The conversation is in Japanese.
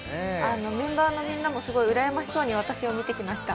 メンバーのみんなもすごいうらやましそうに私を見てきました。